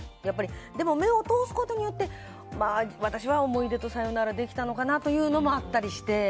でも、目を通すことによって私は思い出とさよならできたのかなというのもあったりして。